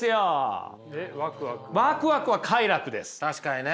確かにね。